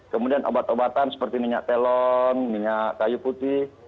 kemudian obat obatan seperti minyak telon minyak kayu putih